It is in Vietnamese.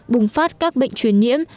bùng phát các bệnh truyền nhiễm